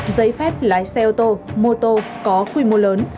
giấy phép lái xe ô tô mô tô có quy mô lớn